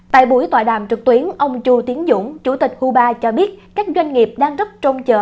tại buổi tòa đàm trực tuyến ông chu tiến dũng chủ tịch cuba cho biết các doanh nghiệp đang rất trông chờ